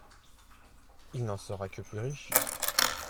Il n’en sera que plus riche.